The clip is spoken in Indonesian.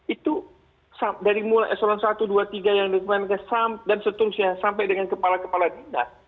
itu dari mulai eselon satu dua tiga yang ada di wamenkes dan seterusnya sampai dengan kepala kepala tidak